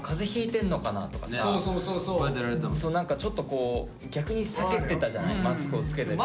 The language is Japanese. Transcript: ちょっと逆に避けてたじゃないマスクをつけてる人。